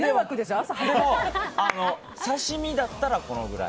刺し身だったら、このぐらい。